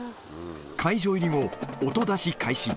会場入り後、音出し開始。